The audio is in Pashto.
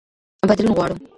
بدلون غواړو.